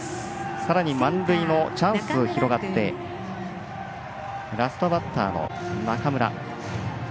さらに満塁のチャンスが広がってラストバッターの中村。